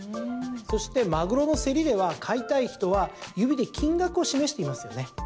そして、マグロの競りでは買いたい人は指で金額を示していますよね。